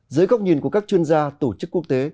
dưới góc nhìn của các chuyên gia tổ chức quốc tế